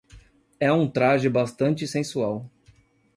É um traje bastante sensual